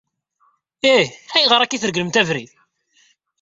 Hey! Ayɣer akka ay treglemt abrid?